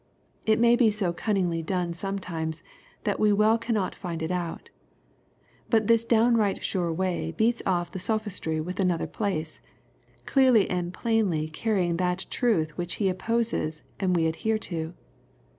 It may be so cunningly done sometimes, that we cannot well find it out ; but this downright sure way beats off the sophist]^ with another place, clearly and plainly carrying that truth which he opposes and we adhere to.